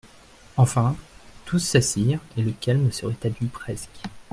Enfin, tous s'assirent et le calme se rétablit presque.